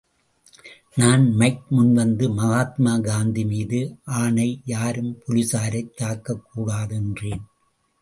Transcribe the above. நான் மைக் முன்வந்து, மகாத்மா காந்தி மீது ஆணை, யாரும் போலீசாரைத் தாக்கக் கூடாது என்றேன்.